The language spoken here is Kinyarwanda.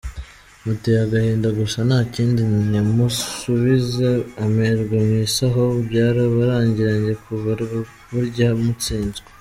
Muteye agahinda gusa ntakindi, nimusubize amerwe mwisaho byarabarangiranye kuva burya mutsinzwe.